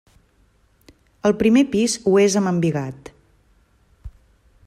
El primer pis ho és amb embigat.